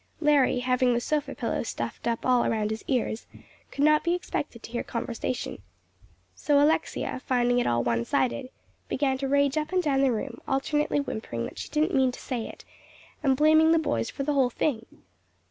Larry, having the sofa pillow stuffed up all around his ears, could not be expected to hear conversation. So Alexia, finding it all one sided, began to rage up and down the room, alternately whimpering that she didn't mean to say it, and blaming the boys for the whole thing.